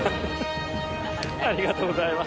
ありがとうございます。